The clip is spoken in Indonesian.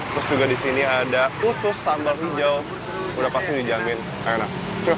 terus juga di sini ada usus sambal hijau udah pasti dijamin enak